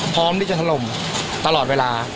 พร้อมที่จะถล่มตลอดเวลา